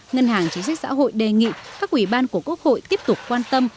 ngân hàng chính sách xã hội đề nghị các ủy ban của quốc hội tiếp tục quan tâm